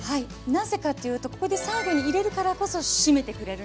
なぜかというとここで最後に入れるからこそしめてくれるんです。